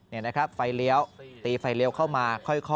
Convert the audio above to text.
นี่นะครับไฟเลี้ยวตีไฟเลี้ยวเข้ามาค่อย